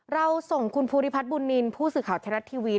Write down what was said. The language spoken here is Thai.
เราส่งคุณภูริพัฒน์บุญนินทร์ผู้สื่อข่าวไทยรัฐทีวี